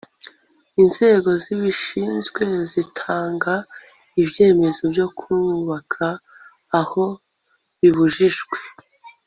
inzego zibishinzwe zitanga ibyemezo byo kubaka aho bibujijwe